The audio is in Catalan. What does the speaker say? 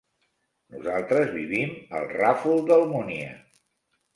Nosaltres vivim al Ràfol d'Almúnia.